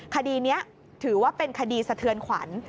คดีนี้ถือว่าเป็นคดีสะเทือนขวัญ